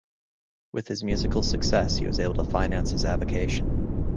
With his musical successes, he was able to finance his avocation.